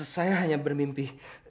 saya hanya bermimpi